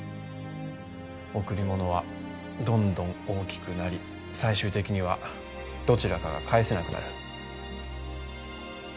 贈り物はどんどん大きくなり最終的にはどちらかが返せなくなる。